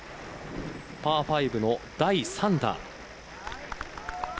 パー５の第３打。